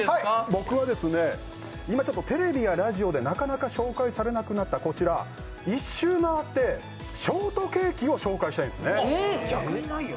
僕は今、テレビやラジオでなかなか紹介されなくなったこちら、こちら一周回って、ショートケーキを御紹介したいんですね。